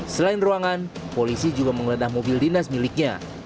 selain ruangan polisi juga menggeledah mobil dinas miliknya